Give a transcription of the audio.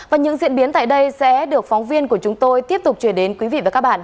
và những diễn biến tại đây sẽ được phóng viên của chúng tôi tiếp tục truyền đến quý vị và các bạn